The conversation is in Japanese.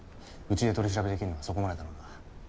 ウチで取り調べ出来るのはそこまでだろうな。